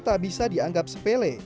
tak bisa dianggap sepele